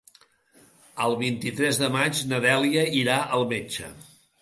El vint-i-tres de maig na Dèlia irà al metge.